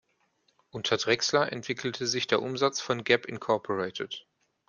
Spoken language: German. Unter Drexler entwickelte sich der Umsatz von Gap, Inc.